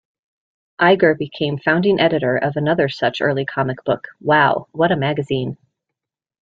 Iger became founding editor of another such early comic book, Wow, What a Magazine!